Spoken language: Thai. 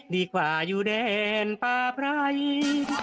ดีกว่าอยู่แดนป่าพระอิน